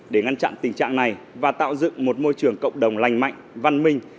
để ngăn chặn tình trạng này và tạo dựng một môi trường cộng đồng lành mạnh văn minh